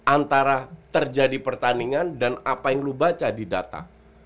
antara terjadi pertandingan dan apa yang lu baca di data